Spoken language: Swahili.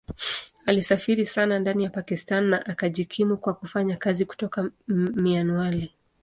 Alisafiri sana ndani ya Pakistan na akajikimu kwa kufanya kazi kutoka Mianwali.